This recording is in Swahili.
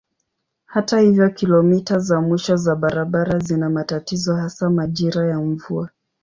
Hata hivyo kilomita za mwisho za barabara zina matatizo hasa majira ya mvua.